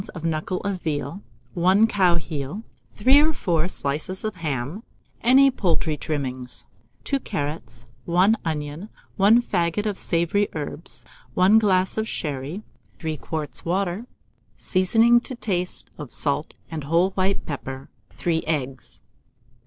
of knuckle of veal, 1 cow heel, 3 or 4 slices of ham, any poultry trimmings, 2 carrots, 1 onion, 1 faggot of savoury herbs, 1 glass of sherry, 3 quarts of water; seasoning to taste of salt and whole white pepper; 3 eggs.